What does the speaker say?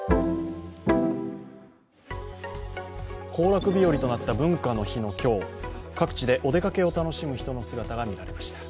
行楽日和となった文化の日の今日、各地でお出かけを楽しむ人の姿が見られました。